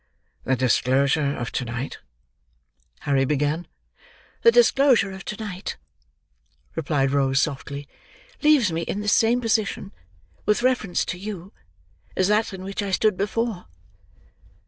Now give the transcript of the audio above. "The disclosure of to night,"—Harry began. "The disclosure of to night," replied Rose softly, "leaves me in the same position, with reference to you, as that in which I stood before."